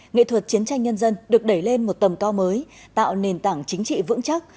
nghệ thuật chiến tranh nhân dân được đẩy lên một tầm cao mới tạo nền tảng chính trị vững chắc